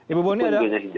ibu boni ada